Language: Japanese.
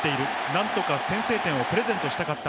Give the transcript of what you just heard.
何とか先制点をプレゼントしたかった。